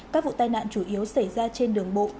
các vụ tai nạn chủ yếu xảy ra trên đường bộ